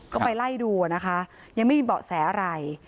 ก็ไปไล่ดูนะคะยังไม่มีเบาะแสอะไร